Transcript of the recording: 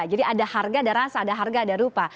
jadi ada harga ada rasa ada harga ada rupa